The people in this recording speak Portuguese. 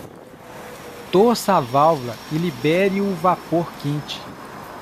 Torça a válvula e libere o vapor quente.